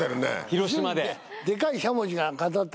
広島で。